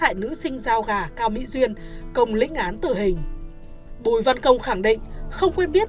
hại nữ sinh giao gà cao mỹ duyên cùng lĩnh án tử hình bùi văn công khẳng định không quên biết